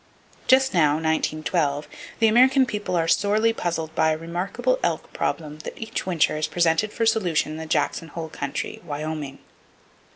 Just now (1912) the American people are sorely puzzled by a remarkable elk problem that each winter is presented for solution in the Jackson Hole country, Wyoming.